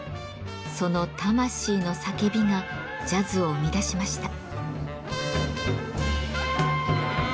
その「魂の叫び」がジャズを生み出しました。